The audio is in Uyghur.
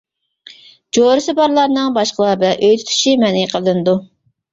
جورىسى بارلارنىڭ باشقىلار بىلەن ئۆي تۇتۇشى مەنئى قىلىنىدۇ.